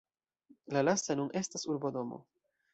La lasta nun estas urbodomo.